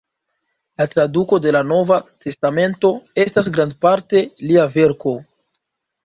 La traduko de la "Nova testamento" estas grandparte lia verko.